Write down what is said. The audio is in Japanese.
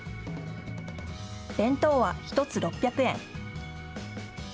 弁当は１つ６００円。